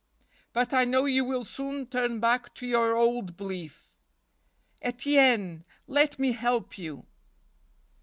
But I know you will soon turn back to your old be¬ lief. Etienne, let me help you."